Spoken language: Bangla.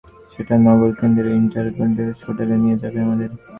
সকাল আটটাতে আসবে ট্যাক্সি, সেটা নগরকেন্দ্রের ইন্টারকন্টিনেন্টাল হোটেলে নিয়ে যাবে আমাদের।